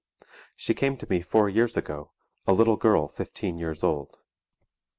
She came to me four years ago, a little girl fifteen years old.